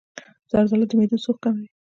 زردآلو د معدې سوخت کموي.